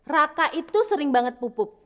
raka itu sering banget pupuk